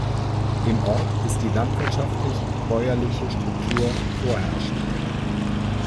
Im Ort ist die landwirtschaftlich-bäuerliche Struktur vorherrschend.